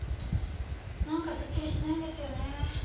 なんかすっきりしないんですよね。